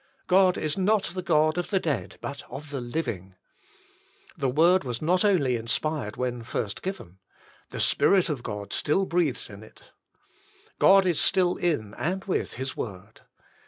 God is not the God of the dead but of the living. The word was not only inspired when first given: the Spirit of God still breathes in it. God is still in and with His word.